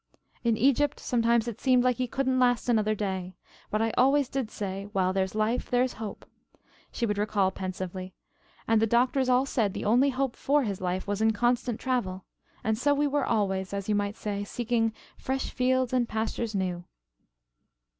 In Egypt, "sometimes it seemed like he couldn't last another day. But I always did say 'while there is life there is hope,'" she would recall pensively, "and the doctors all said the only hope for his life was in constant travel, and so we were always, as you might say, seeking 'fresh fields and pastures new.'"